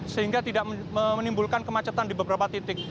sehingga tidak menimbulkan kemacetan di beberapa titik